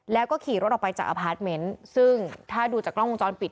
แล้วก็ขี่รถออกไปจากอพาร์ทเมนต์ซึ่งถ้าดูจากกล้องวงจรปิด